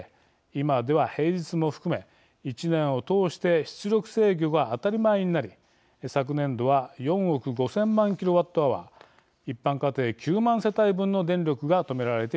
今では平日も含め１年を通して出力制御が当たり前になり昨年度は４億５，０００万ｋＷｈ一般家庭９万世帯分の電力が止められています。